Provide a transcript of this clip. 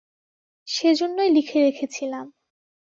সেজন্যই লিখে রেখেছিলাম।